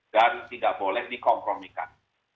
dan tidak boleh dikompromikan